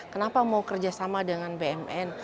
kenapa mau kerjasama dengan bumn